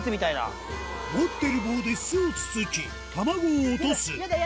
持ってる棒で巣をつつき卵を落とす嫌だ！